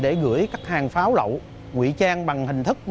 để gửi các hàng pháo lậu ngụy trang bằng hình thức